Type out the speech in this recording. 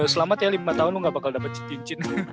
selamat ya lima tahun lu ga bakal dapet cincin